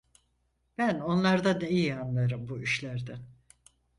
Ben onlardan iyi anlarım bu işlerden…